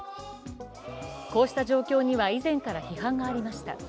こうした状況には以前から批判がありました。